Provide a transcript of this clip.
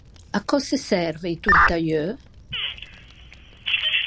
À cöse serve i tortaieu?